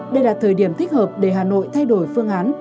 đây là thời điểm thích hợp để hà nội thay đổi phương án